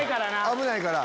危ないから。